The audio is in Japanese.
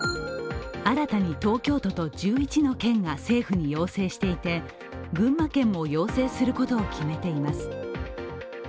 新たに東京都と１１の県が政府に要請していて群馬県も要請することを決めています。